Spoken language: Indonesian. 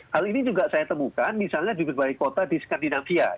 hal ini juga saya temukan misalnya di berbagai kota di skandinavia